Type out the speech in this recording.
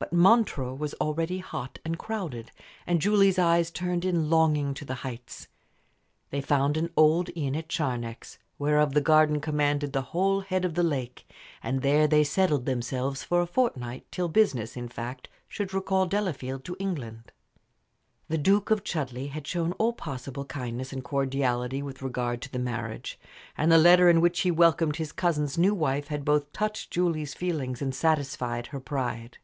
But Montreux was already hot and crowded, and Julie's eyes turned in longing to the heights. They found an old inn at Charnex, whereof the garden commanded the whole head of the lake, and there they settled themselves for a fortnight, till business, in fact, should recall Delafield to England. The Duke of Chudleigh had shown all possible kindness and cordiality with regard to the marriage, and the letter in which he welcomed his cousin's new wife had both touched Julie's feelings and satisfied her pride.